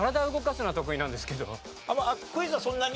クイズはそんなに。